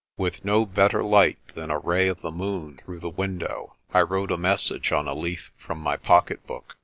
With no better light than a ray of the moon through the window, I wrote a message on a leaf from my pocket book.